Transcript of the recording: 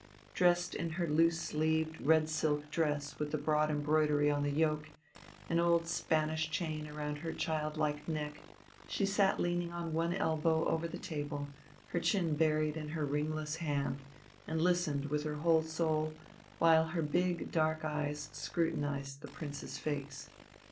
Dressed in her loose sleeved, red silk dress with the broad embroidery on the yoke, an old Spanish chain round her child like neck, she sat leaning on one elbow over the table, her chin buried in her ringless hand, and listened with her whole soul, while her big, dark eyes scrutinized the Prince's face.